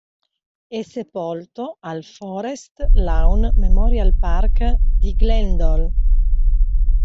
È sepolto al Forest Lawn Memorial Park di Glendale.